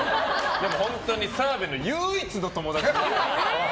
でも本当に澤部の唯一の友達。